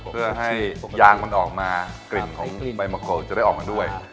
เพื่อให้ยางมันออกมากลิ่นของใบมะกรูดจะได้ออกมาด้วย